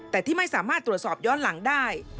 แต่ที่ไม่สามารถตรวจสอบย้อนหลังได้